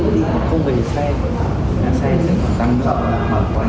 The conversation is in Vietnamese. để làm thuế để trước bắt